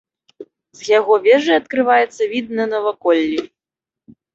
З яго вежы адкрываецца від на наваколлі.